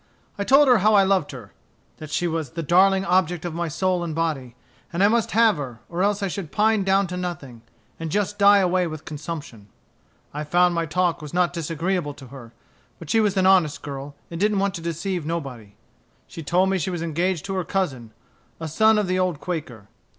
I told her how I loved her; that she was the darling object of my soul and body, and I must have her, or else I should pine down to nothing, and just die away with consumption. "I found my talk was not disagreeable to her. But she was an honest girl, and didn't want to deceive nobody. She told me she was engaged to her cousin, a son of the old Quaker.